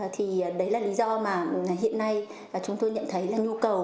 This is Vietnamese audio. thì đấy là lý do mà hiện nay chúng tôi nhận thấy là nhu cầu